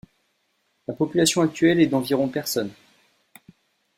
La population actuelle est d'environ personnes.